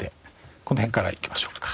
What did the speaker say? この辺からいきましょうか。